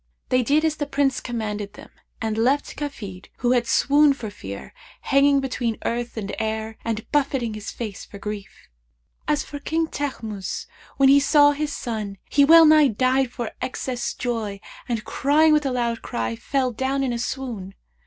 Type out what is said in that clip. They did as the Prince commanded them and left Kafid, who had swooned for fear, hanging between earth and air and buffeting his face for grief. As for King Teghmus, when he saw his son, he well nigh died for excess of joy and, crying with a loud cry, fell down in a swoon.